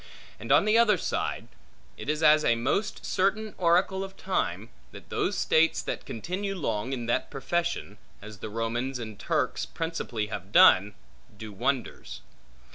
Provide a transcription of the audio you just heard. And on the other side, it is a most certain oracle of time, that those states that continue long in that profession (as the Romans and Turks principally have done) do wonders.